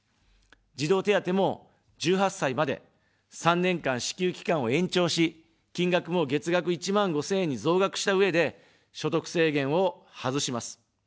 児童手当も１８歳まで、３年間支給期間を延長し、金額も月額１万５０００円に増額したうえで所得制限を外します。